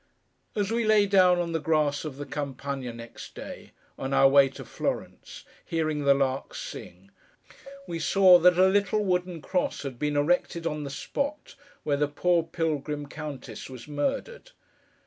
As we lay down on the grass of the Campagna, next day, on our way to Florence, hearing the larks sing, we saw that a little wooden cross had been erected on the spot where the poor Pilgrim Countess was murdered.